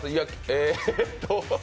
ええっと